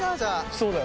そうだよ。